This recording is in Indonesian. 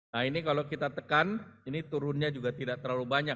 nah ini kalau kita tekan ini turunnya juga tidak terlalu banyak